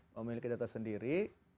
memiliki data sendiri